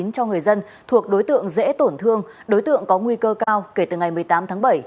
cho người dân thuộc đối tượng dễ tổn thương đối tượng có nguy cơ cao kể từ ngày một mươi tám tháng bảy